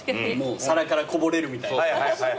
皿からこぼれるみたいな。